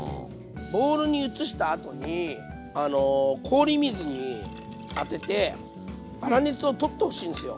ボウルに移したあとに氷水に当てて粗熱を取ってほしいんですよ。